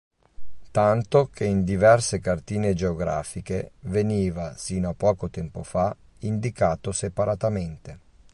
Tanto che in diverse cartine geografiche, veniva sino a poco tempo fa, indicato separatamente.